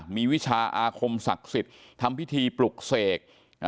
มีวิชาอาคมศักดิ์สิทธิ์ทำพิธีปลุกเสก